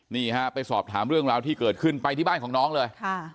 นี่ฮะไปสอบถามเรื่องราวที่เกิดขึ้นไปที่บ้านของน้องเลย